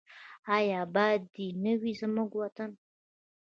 آیا اباد دې نه وي زموږ وطن؟